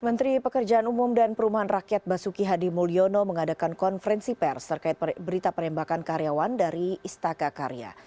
menteri pekerjaan umum dan perumahan rakyat basuki hadi mulyono mengadakan konferensi pers terkait berita penembakan karyawan dari istaka karya